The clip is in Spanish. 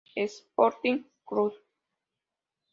Sporting Club.